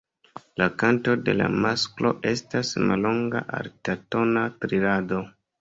La kanto de la masklo estas mallonga altatona trilado.